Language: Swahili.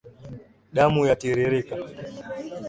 Damu yatiririka